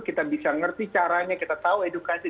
kita bisa ngerti caranya kita tahu edukasi